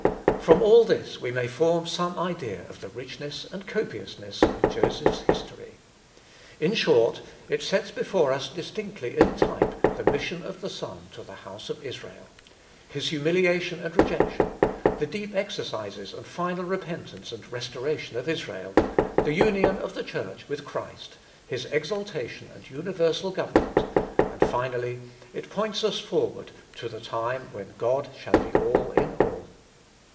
From all this we may form some idea of the richness and copiousness of Joseph's history. In short, it sets before us distinctly in type the mission of the Son to the house of Israel, his humiliation and rejection, the deep exercises and final repentance and restoration of Israel, the union of the Church with Christ, his exaltation and universal government, and, finally, it points us forward to the time when "God shall be all in all."